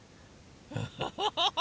アハハハハ！